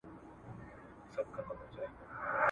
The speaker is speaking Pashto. زه کولای سم قلم استعمالوم کړم!!